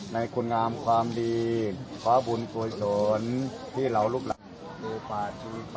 ในคุณงามความดีขอบุญสวยสนที่เหล่าลูกหลัก